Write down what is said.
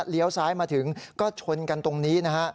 ซ้ายมาถึงก็ชนกันตรงนี้นะฮะ